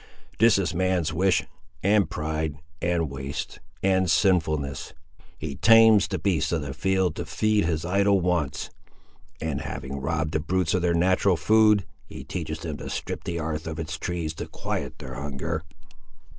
This is man's wish, and pride, and waste, and sinfulness! He tames the beasts of the field to feed his idle wants; and, having robbed the brutes of their natural food, he teaches them to strip the 'arth of its trees to quiet their hunger."